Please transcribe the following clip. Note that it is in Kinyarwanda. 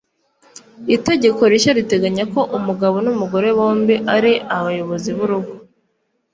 itegeko rishya riteganya ko umugabo n’umugore bombi ari abayobozi b’urugo